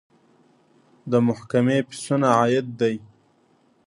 د محکمې فیسونه عاید دی